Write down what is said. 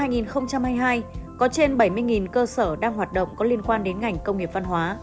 năm hai nghìn hai mươi hai có trên bảy mươi cơ sở đang hoạt động có liên quan đến ngành công nghiệp văn hóa